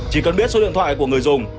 chỉ cần biết số điện thoại của người dùng